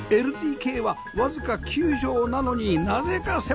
ＬＤＫ はわずか９畳なのになぜか狭くない！